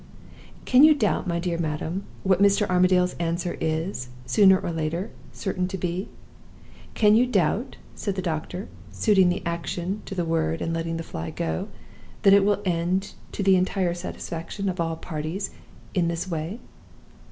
Can you doubt, my dear madam, what Mr. Armadale's answer is, sooner or later, certain to be? Can you doubt,' said the doctor, suiting the action to the word, and letting the fly go, 'that it will end to the entire satisfaction of all parties, in this way?